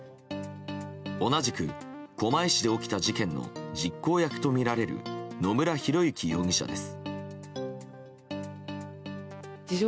同じく狛江市で起きた事件の実行役とみられる野村広之容疑者です。